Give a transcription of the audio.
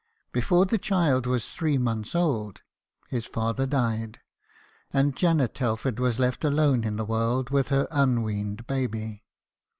Before the child was three months old, his father died ; and Janet Telford was left alone in the world with her unweaned baby.